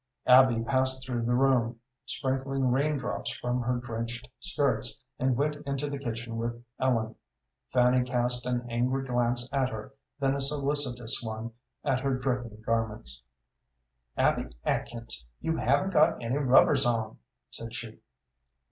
Abby passed through the room, sprinkling rain drops from her drenched skirts, and went into the kitchen with Ellen. Fanny cast an angry glance at her, then a solicitous one at her dripping garments. "Abby Atkins, you haven't got any rubbers on," said she.